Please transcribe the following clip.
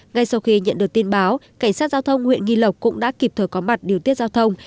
ngay sau khi nhận được tin báo cảnh sát giao thông huyện nghi lộc cũng đã kịp thời có mặt điều tiết giao thông